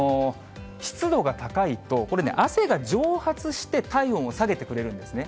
湿度が高いと、これね、汗が蒸発して体温を下げてくれるんですね。